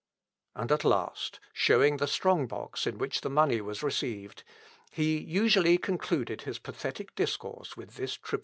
And at last, showing the strong box in which the money was received, he usually concluded his pathetic discourse with this triple appeal to the people, "Bring!